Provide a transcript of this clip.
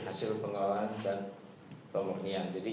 hasil pengelola dan pemerintahan